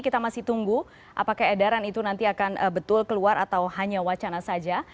kita masih tunggu apakah edaran itu nanti akan betul keluar atau hanya wacana saja